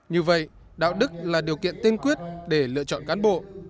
như vậy đạo đức là điều kiện tiên quyết để lựa chọn cán bộ